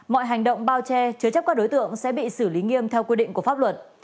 mọi hành động bao che chứa chấp các đối tượng sẽ bị xử lý nghiêm theo quy định của pháp luật